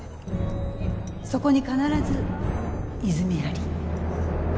そこに必ず泉あり」。